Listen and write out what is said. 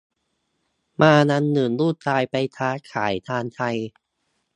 มาวันหนึ่งลูกชายไปค้าขายทางไกล